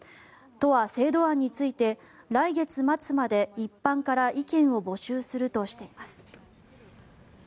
都は制度案について来月末まで一般から意見を募集するとしています。